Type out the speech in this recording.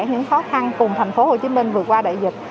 những khó khăn cùng tp hcm vừa qua đại dịch